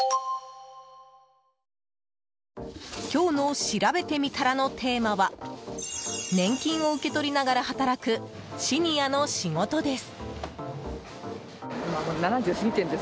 今日のしらべてみたらのテーマは年金を受け取りながら働くシニアの仕事です。